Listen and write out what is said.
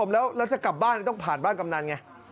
แล้วจะกลับบ้านต้องผ่านบ้านกำนันไง